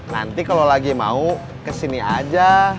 nanti kalau lagi mau kesini aja